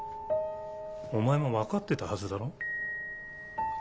お前も分かってたはずだろ？